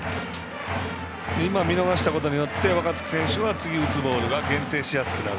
今、見逃したことで若月選手は次に打つボールが限定しやすくなる。